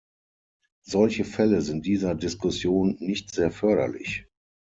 Solche Fälle sind dieser Diskussion nicht sehr förderlich.